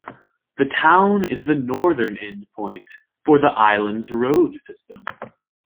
The town is the northern end point for the island's road system.